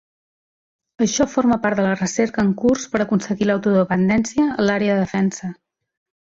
Això forma part de la recerca en curs per aconseguir l'autodependència en l'àrea de defensa.